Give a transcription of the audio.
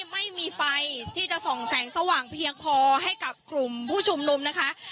ไม่มีไฟที่จะส่องแสงสว่างเพียงพอให้กับกลุ่มผู้ชุมนุมนะคะ